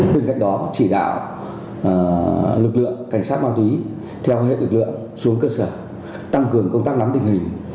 bên cạnh đó chỉ đạo lực lượng cảnh sát ma túy theo hệ lực lượng xuống cơ sở tăng cường công tác nắm tình hình